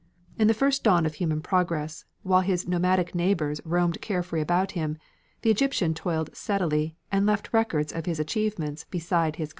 In the first dawn of human progress, while his nomadic neighbours roamed carefree about him, the Egyptian toiled steadily, and left the records of his achievements beside his God, the Nile.